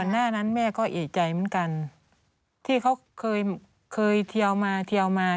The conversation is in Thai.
หน้านั้นแม่ก็เอกใจเหมือนกันที่เขาเคยเทียวมาเทียวมา